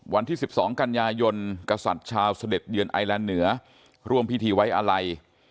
วันที่๑๒กันยายนกษัตริย์ชาวเสด็จเยือนไอแลนด์เหนือร่วมพิธีไว้อาลัย